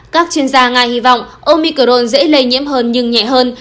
các chuyên gia nga hy vọng omicron dễ lây nhiễm hơn nhưng nhẹ hơn